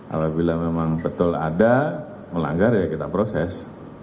apabila memang betul ada melanggar ya kita proses